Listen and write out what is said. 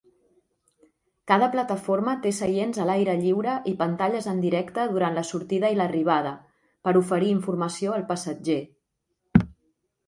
Cada plataforma té seients a l"aire lliure i pantalles en directe durant la sortida i l"arribada, per oferir informació al passatger.